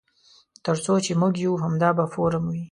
تر څو چې موږ یو همدا به فورم وي.